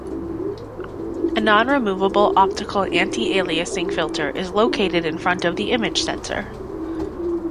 A non-removable optical anti-aliasing filter is located in front of the image sensor.